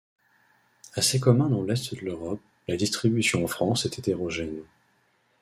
Assez commun dans l'est de l'Europe, la distribution en France est hétérogène.